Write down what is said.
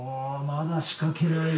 まだ仕掛けない。